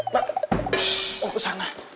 pak mau ke sana